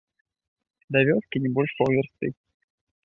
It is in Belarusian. Да вёскі не больш паўвярсты.